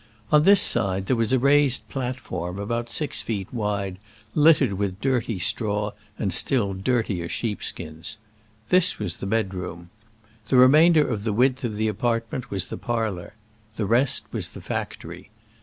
On this side there was a raised platform about six feet wide, littered with dirty straw and still dirtier sheepskins. This was the bed room. The remainder of the width of the apartment was the parlor. The rest was the factory.